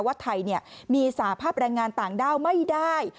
ว่าไทยมีสาภาพแรงงานต่างด้าวไม่ได้